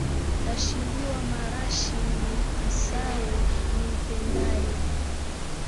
Tachiliwa marashi ni nsahau nimpendae.